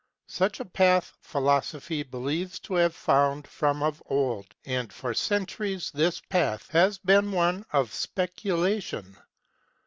Such a path Philosophy believes to have found from of old ; and for centuries this path has been the one of speculation.